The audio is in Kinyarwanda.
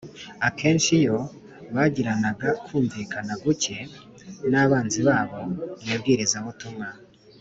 akenshi iyo bagiranaga kumvikana gucye n’abanzi babo mu ibwirizabutumwa,